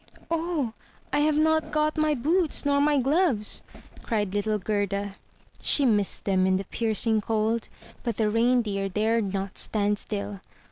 0! I have not got my boots, nor my gloves!" cried little Gerda. She missed them in the piercing cold, but the Rein deer dared not stand still.